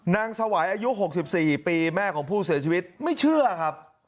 สวัยอายุ๖๔ปีแม่ของผู้เสียชีวิตไม่เชื่อครับ